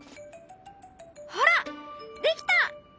ほらできた！